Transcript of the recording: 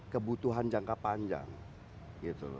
kebutuhan jangka panjang gitu